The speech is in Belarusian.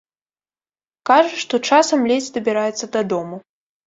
Кажа, што часам ледзь дабіраецца дадому.